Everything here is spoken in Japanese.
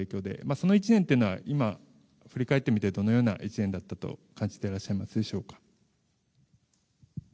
その１年というのは今、振り返ってみてどのような１年だったと感じていらっしゃいますでしょうか。